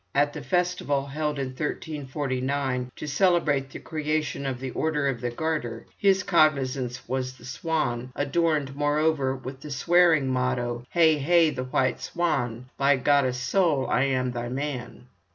At the festival held in 1349 to celebrate the creation of the Order of the Garter, his cognizance was the swan, adorned, moreover, with the swearing motto: "Haye! Haye! the Whyte Swan! by Godde's soule I am thy man."